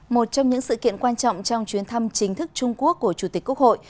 một trong những sự kiện quan trọng trong chuyến thăm chính thức trung quốc của chủ tịch quốc hội